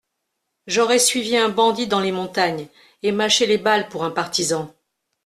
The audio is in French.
J'aurais suivi un bandit dans les montagnes, et mâché les balles pour un partisan.